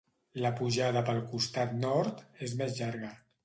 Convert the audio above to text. La pujada pel costat nord és més llarga.